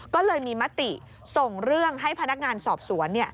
ก็เลยมีมติส่งเรื่องให้พนักงานสอบสวน